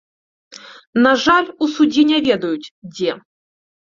На жаль, у судзе не ведаюць, дзе.